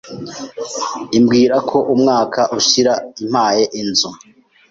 imbwirako Umwaka ushira impaye inzu,